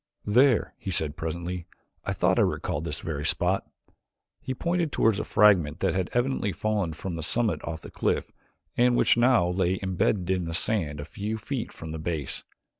"There," he said presently, "I thought I recalled this very spot." He pointed toward a fragment that had evidently fallen from the summit of the cliff and which now lay imbedded in the sand a few feet from the base.